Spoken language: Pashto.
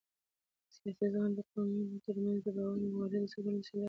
سیاسي زغم د قومونو ترمنځ د باور او همغږۍ د ساتلو وسیله ده